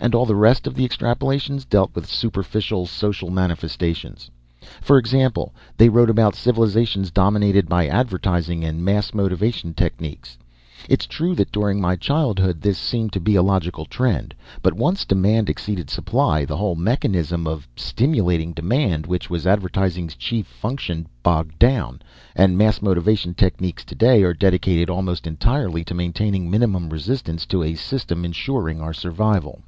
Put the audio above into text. And all the rest of the extrapolations dealt with superficial social manifestations. "For example, they wrote about civilizations dominated by advertising and mass motivation techniques. It's true that during my childhood this seemed to be a logical trend but once demand exceeded supply, the whole mechanism of stimulating demand, which was advertising's chief function, bogged down. And mass motivation techniques, today, are dedicated almost entirely to maintaining minimum resistance to a system insuring our survival.